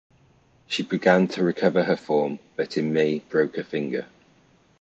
She began to recover her form, but in May broke her finger.